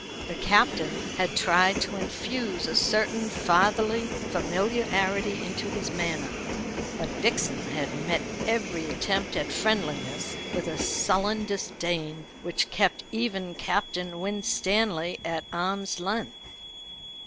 The Captain had tried to infuse a certain fatherly familiarity into his manner; but Vixen had met every attempt at friendliness with a sullen disdain, which kept even Captain Winstanley at arm's length.